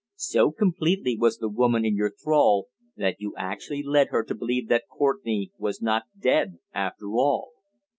So completely was the woman in your thrall that you actually led her to believe that Courtenay was not dead after all!